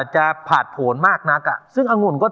ตราบที่ทุกลมหายใจขึ้นหอดแต่ไอ้นั้น